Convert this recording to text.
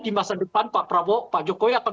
di masa depan pak prabowo pak jokowi akan